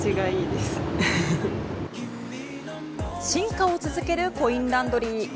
進化を続けるコインランドリー